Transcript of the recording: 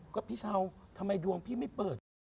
ก็พี่เช้าทำไมดวงพี่ไม่เปิด